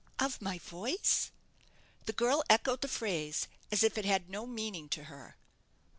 "Of my voice!" The girl echoed the phrase as if it had no meaning to her.